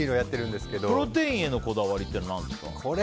プロテインへのこだわりっていうのは何ですか？